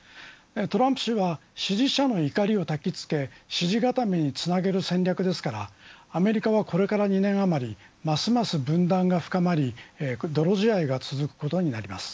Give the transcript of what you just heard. トランプ氏は支持者の怒りをたきつけ支持固めにつなげる戦略ですからアメリカはこれから２年余りますます分断が深まり泥仕合が続くことになります。